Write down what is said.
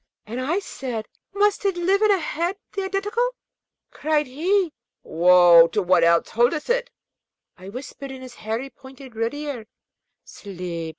And I said, 'Must it live in a head, the Identical?' Cried he, 'Woe to what else holdeth it!' I whispered in his hairy pointed red ear, 'Sleep!